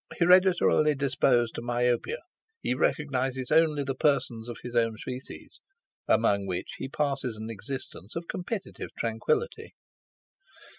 Hereditarily disposed to myopia, he recognises only the persons of his own species, amongst which he passes an existence of competitive tranquillity."